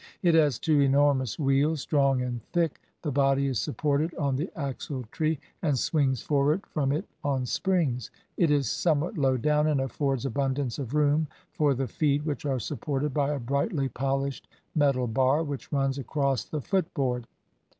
It has two enormous wheels, strong and thick; the body is supported on the axle tree, and swings forward from it on springs; it is somewhat low down, and affords abundance of room for the feet, which are supported by a brightly polished metal bar, which runs across the footboard.